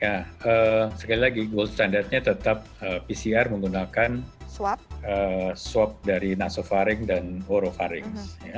ya sekali lagi gold standardnya tetap pcr menggunakan swab dari nasofaring dan orovaring